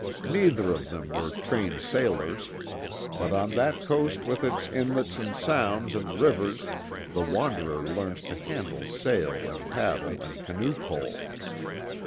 Neither of them were trained sailors, but on that coast with its inlets and sounds and rivers the wanderer learns to handle sail and paddle and canoe pole.